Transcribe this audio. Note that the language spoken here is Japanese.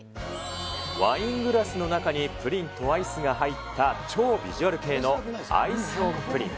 ワイングラスの中にプリンとアイスが入った超ビジュアル系のアイスオンプリン。